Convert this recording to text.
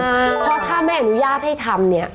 เพราะถ้าไม่อนุญาตให้ทำเนี่ย